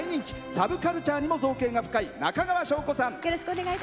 サブカルチャーにも造詣が深い中川翔子さん。